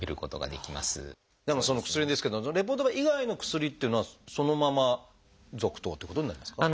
でもその薬ですけどレボドパ以外の薬っていうのはそのまま続投っていうことになりますか？